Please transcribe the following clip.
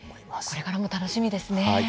これからも楽しみですね。